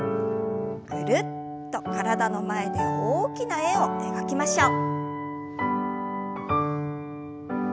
ぐるっと体の前で大きな円を描きましょう。